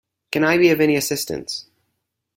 Can I be of any assistance?